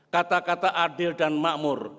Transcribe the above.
kata kata adil dan makmur